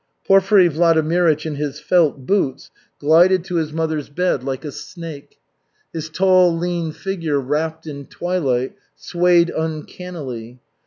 Porfiry Vladimirych, in his felt boots, glided to his mother's bed like a snake. His tall, lean figure wrapped in twilight swayed uncannily.